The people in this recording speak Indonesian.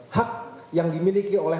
hak yang dimiliki oleh